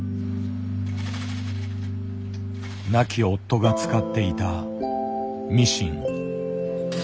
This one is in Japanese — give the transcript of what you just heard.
亡き夫が使っていたミシン。